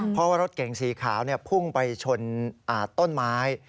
เพราะว่ารถเก่งสีขาวพุ่งไปชนต้นไม้